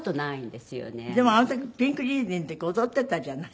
でもあの時ピンク・レディーの時踊ってたじゃない。